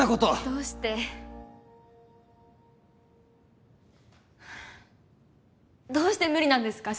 どうしてどうして無理なんですか？